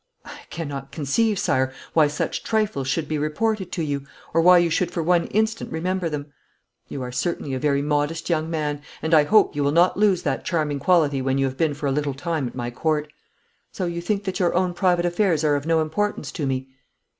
'I cannot conceive, Sire, why such trifles should be reported to you, or why you should for one instant remember them.' 'You are certainly a very modest young man, and I hope you will not lose that charming quality when you have been for a little time at my Court. So you think that your own private affairs are of no importance to me?'